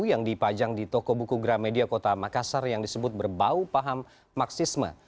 yang dipajang di toko buku gramedia kota makassar yang disebut berbau paham maksisme